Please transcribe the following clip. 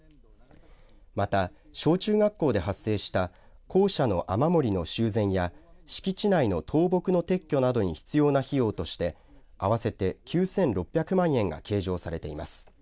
また、小・中学校で発生した校舎の雨漏りの修繕や敷地内の倒木の撤去などに必要な費用として合わせて９６００万円が計上されています。